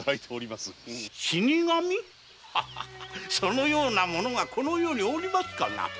そのようなものがこの世に居りますかな？